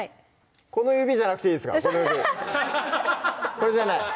この指じゃなくていいですかこれじゃない？